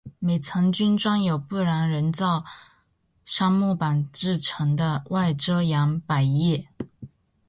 每层均装有不燃人造杉木板制成的外遮阳百叶。